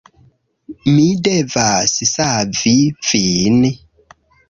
Mi devas savi vin